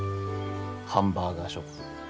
ハンバーガーショップ。